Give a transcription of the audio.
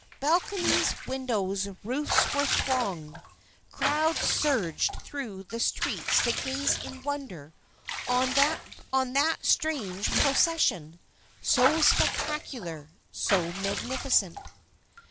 Balconies, windows, roofs were thronged. Crowds surged through the streets to gaze in wonder on that strange procession, so spectacular, so magnificent.